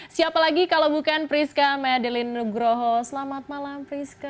siapa lagi kalau bukan priska medelin nugroho selamat malam priska